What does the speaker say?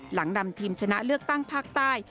หลังนำทีมชนะเลือกตั้งภาคใต้